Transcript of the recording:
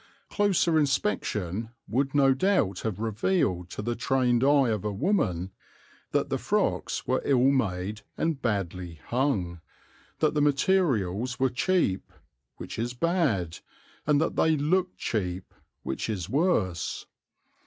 Closer inspection would no doubt have revealed to the trained eye of a woman that the frocks were ill made and badly "hung," that the materials were cheap, which is bad, and that they looked cheap, which is worse.